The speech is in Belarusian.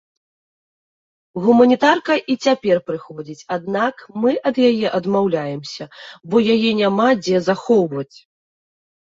Гуманітарка і цяпер прыходзіць, аднак мы ад яе адмаўляемся, бо яе няма дзе захоўваць.